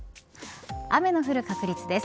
雨の降る確率です。